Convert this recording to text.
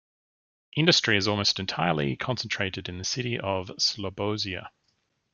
Industry is almost entirely concentrated in the city of Slobozia.